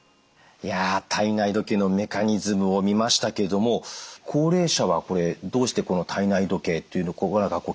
いや体内時計のメカニズムを見ましたけども高齢者はどうして体内時計っていうのがキーワードになってくるんですか？